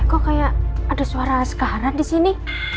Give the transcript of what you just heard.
eh kok kayak ada suara askara disini